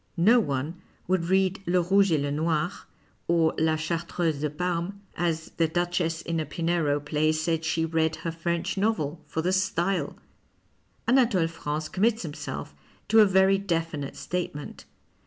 No one would read " Le Rouge et le Noir " or " La Chartreuse de Parme," as the Duchess in a Pinero play said she read her French novel, for the style. xVnatole France commits himself to a very definite statement.